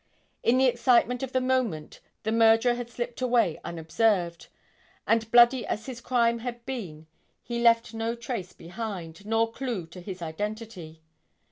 In the excitement of the moment the murderer had slipped away unobserved, and bloody as his crime had been he left no trace behind, nor clue to his identity.